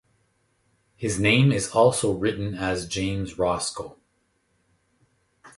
His name is also written as James Roscoe.